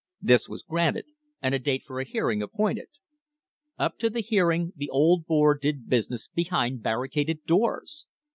This was granted and a date for a hearing appointed. Up to the hearing the old board did busi ness behind barricaded doors!